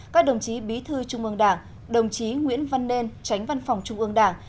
các đồng chí bí thư trung ương đảng đồng chí nguyễn văn nên tránh văn phòng trung ương đảng